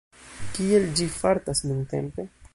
Kiel ĝi fartas nuntempe?